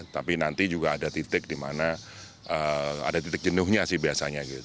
tapi nanti juga ada titik jenuhnya sih biasanya